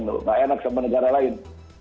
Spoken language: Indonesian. tidak enak sama negara lain